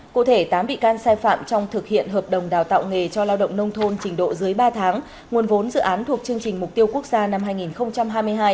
cụ thể tám bị can sai phạm trong thực hiện hợp đồng đào tạo nghề cho lao động nông thôn trình độ dưới ba tháng nguồn vốn dự án thuộc chương trình mục tiêu quốc gia năm hai nghìn hai mươi hai